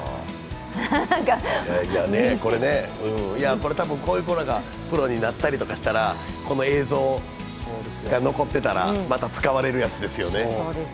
これ、たぶんこういう子らがプロになったりしたら、この映像が残ってたらまた使われるやつですよね。